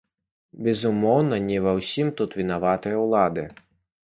Безумоўна, не ва ўсім тут вінаватыя ўлады.